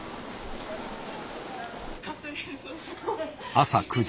朝９時。